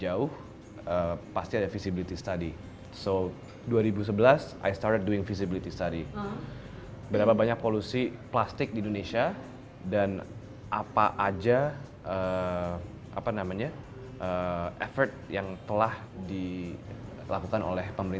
avani berasal dari bahasa sansekerta yang berarti bumi